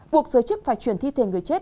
buộc giới chức phải chuyển thi thể người chết